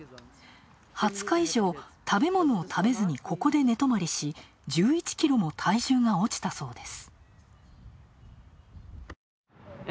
２０日以上、食べ物を食べずにここで寝泊まりし１１ｋｇも体重が落ちたそうです。